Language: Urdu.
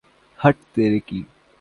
ہت تیرے کی!